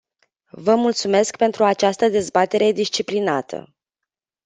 Vă mulțumesc pentru această dezbatere disciplinată.